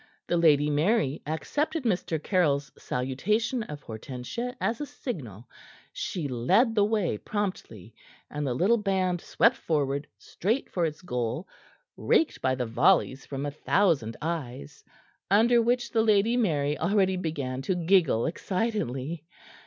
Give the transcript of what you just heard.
The Lady Mary accepted Mr. Caryll's salutation of Hortensia as a signal. She led the way promptly, and the little band swept forward, straight for its goal, raked by the volleys from a thousand eyes, under which the Lady Mary already began to giggle excitedly.